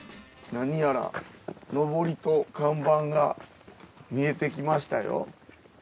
何やらのぼりと看板が見えてきましたよ。